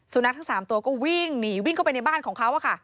นักทั้ง๓ตัวก็วิ่งหนีวิ่งเข้าไปในบ้านของเขา